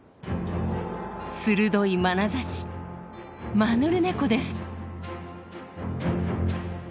鋭いまなざしマヌルネコです。